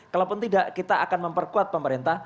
kalaupun tidak kita akan memperkuat pemerintah